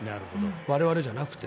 我々じゃなくて。